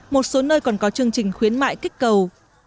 một số nơi còn có chương trình khuyến mại kích cầu